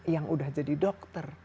yang sudah jadi dokter